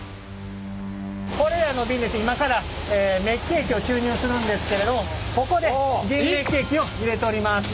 これらの瓶今からメッキ液を注入するんですけれどここで銀メッキ液を入れております。